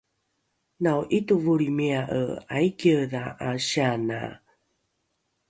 nao’itovolrimia’e aikiedha ’asiana?